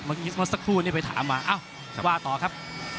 เมื่อสักครู่นี้ไปถามมาเอ้าว่าต่อครับ